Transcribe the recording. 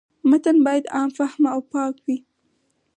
متن باید عام فهمه او پاک وي.